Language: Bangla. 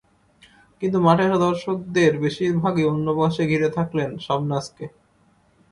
কিন্তু মাঠে আসা দর্শকদের বেশির ভাগই অন্য পাশে ঘিরে থাকলেন শাবনাজকে।